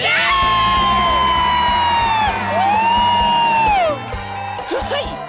เฮ้ยเฮ้ยเฮ้ย